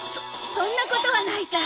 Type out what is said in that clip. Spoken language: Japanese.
そそんなことはないさ。